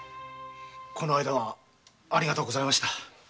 この間はありがとうございました。